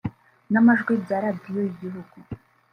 n’amajwi bya Radiyo y’igihugu